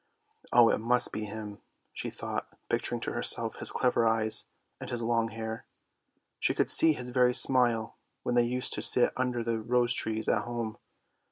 Oh, it must be him, she thought picturing to herself his clever eyes and his long hair. She could see his very smile when they used to sit under the rose trees at home.